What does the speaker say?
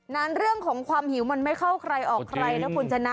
นั้นเรื่องของความหิวมันไม่เข้าใครออกใครนะคุณชนะ